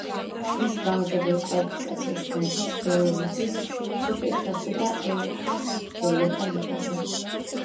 მისი გამარჯვებული კვალიფიკაციას გადის ბელარუსის სუპერთასზე და უეფა-ს ევროპა ლიგაზე.